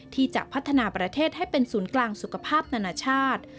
ที่จะพัฒนาประเทศให้เป็นศูนย์กลางสุขภาพนานาชาติ